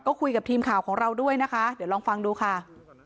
ก็คุยกับทีมข่าวของเราด้วยนะคะเดี๋ยวลองฟังดูค่ะ